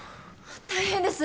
大変です。